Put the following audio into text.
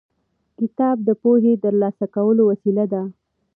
کتاب د پوهې د ترلاسه کولو وسیله ده.